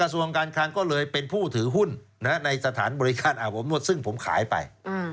ซึ่งผมขายไป